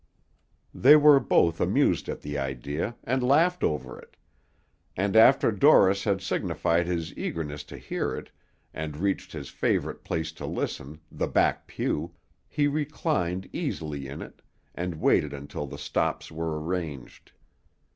They were both amused at the idea, and laughed over it; and after Dorris had signified his eagerness to hear it, and reached his favorite place to listen, the back pew, he reclined easily in it, and waited until the stops were arranged.